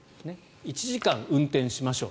１時間運転しましょう。